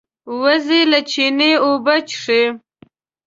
وزې له چینې اوبه څښي